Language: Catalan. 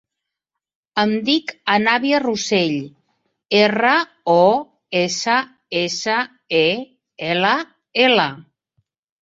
Em dic Anabia Rossell: erra, o, essa, essa, e, ela, ela.